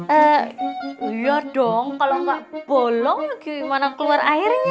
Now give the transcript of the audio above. eh ya dong kalau nggak bolong gimana keluar airnya